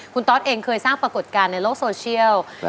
คุณตอสเองเคยสร้างปรากฏการณ์ในโลกโซเชียล